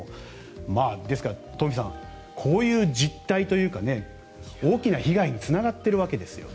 ですから、東輝さんこういう実態というか大きな被害につながっているわけですよね。